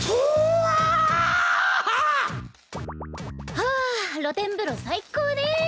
はぁ露天風呂最高ね。